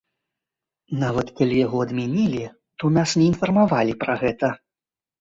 Нават калі яго адмянілі, то нас не інфармавалі пра гэта.